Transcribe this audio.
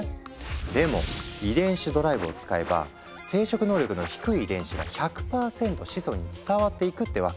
でも遺伝子ドライブを使えば生殖能力の低い遺伝子が１００％子孫に伝わっていくってわけ。